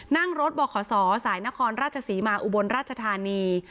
นั่งรถบขศสายนครราชศรีมาอุบลราชธานี